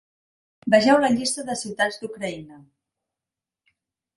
Vegeu la llista de ciutats d'Ucraïna.